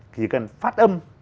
thì cần phát âm